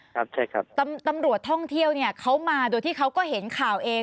ครับใช่ครับตำรวจท่องเที่ยวเนี่ยเขามาโดยที่เขาก็เห็นข่าวเอง